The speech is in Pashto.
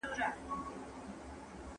¬ چي نسونه ئې گوښي وي، نيتونه ئې گوښي وي.